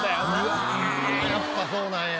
うわやっぱそうなんや。